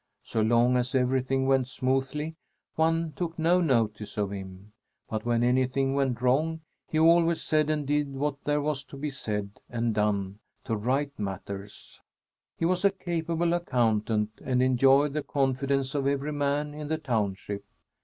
So long as everything went smoothly, one took no notice of him, but when anything went wrong, he always said and did what there was to be said and done to right matters. He was a capable accountant and enjoyed the confidence of every man in the township.